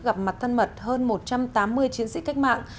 gặp mặt thân mật hơn một trăm tám mươi chiến sĩ cách mạng